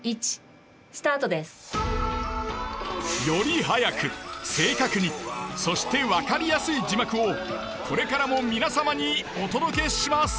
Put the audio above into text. より速く正確にそして分かりやすい字幕をこれからも皆様にお届けします。